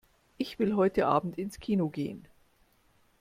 Ich will heute Abend ins Kino gehen.